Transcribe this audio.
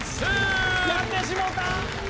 やってしもうた！